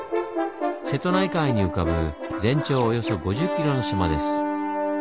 瀬戸内海に浮かぶ全長およそ５０ｋｍの島です。